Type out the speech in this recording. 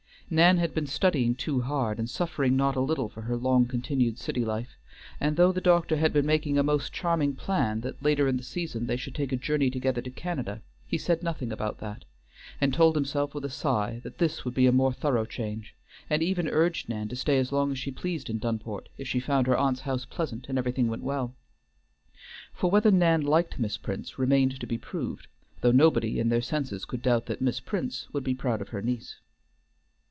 Nan had been studying too hard, and suffering not a little from her long continued city life, and though the doctor had been making a most charming plan that later in the season they should take a journey together to Canada, he said nothing about that, and told himself with a sigh that this would be a more thorough change, and even urged Nan to stay as long as she pleased in Dunport, if she found her aunt's house pleasant and everything went well. For whether Nan liked Miss Prince remained to be proved, though nobody in their senses could doubt that Miss Prince would be proud of her niece.